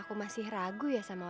accessing jialan sebanyak vc